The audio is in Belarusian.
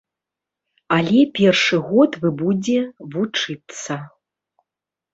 Але першы год вы будзе вучыцца.